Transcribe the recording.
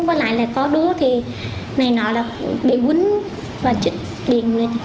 với lại là có đứa thì này nọ là bị quýnh và trích điền lên